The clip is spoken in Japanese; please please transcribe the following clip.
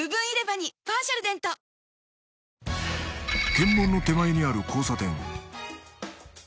検問の手前にある交差点